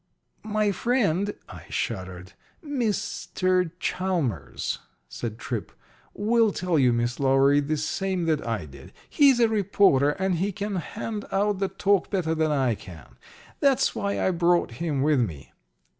"My friend" (I shuddered), "Mr. Chalmers," said Tripp, "will tell you, Miss Lowery, the same that I did. He's a reporter, and he can hand out the talk better than I can. That's why I brought him with me."